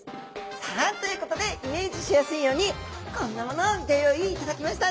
さあということでイメージしやすいようにこんなものをギョ用意いただきました。